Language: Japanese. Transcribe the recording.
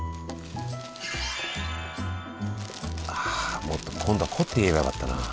あもっと今度は凝って言えばよかったなあ。